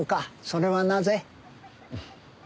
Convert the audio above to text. それはなぜ？